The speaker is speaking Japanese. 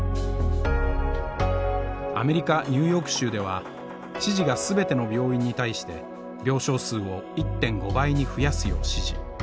アメリカ・ニューヨーク州では知事が全ての病院に対して病床数を１．５倍に増やすよう指示。